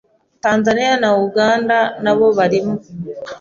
Tanzania na Uganda nabo barimo